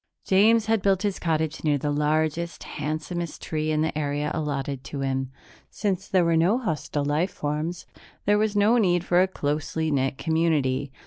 James had built his cottage near the largest, handsomest tree in the area allotted to him; since there were no hostile life forms, there was no need for a closely knit community.